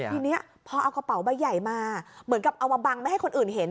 ทีนี้พอเอากระเป๋าใบใหญ่มาเหมือนกับเอามาบังไม่ให้คนอื่นเห็น